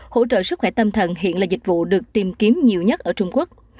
hỗ trợ sức khỏe tâm thần hiện là dịch vụ được tìm kiếm nhiều nhất ở trung quốc